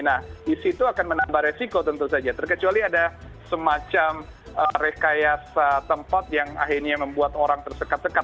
nah disitu akan menambah resiko tentu saja terkecuali ada semacam rekayasa tempat yang akhirnya membuat orang tersekat sekat